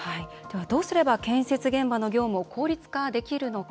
どうすれば建設現場の業務を効率化できるのか。